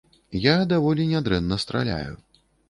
Я даволі нядрэнна страляю.